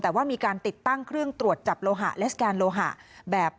แต่ว่ามีการติดตั้งเครื่องตรวจจับโลหะและสแกนโลหะแบบ